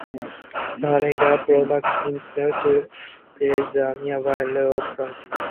The raiders probably intended to pillage the nearby Lewes priory.